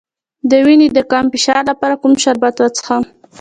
د وینې د کم فشار لپاره کوم شربت وڅښم؟